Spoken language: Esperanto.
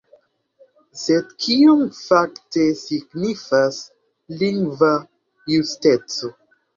Sed kion fakte signifas lingva justeco?